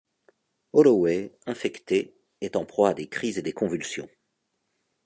Holloway, infecté, est en proie à des crises et des convulsions.